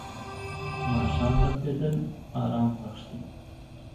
ماښام لمبېدل آرام بخښي.